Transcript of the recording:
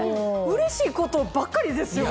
うれしいことばっかりですよ